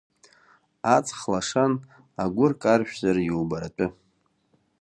Аҵх лашан, агәыр каршәзар иубаратәы.